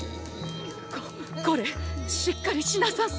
ここれしっかりしなさんせ！